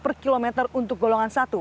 per kilometer untuk golongan satu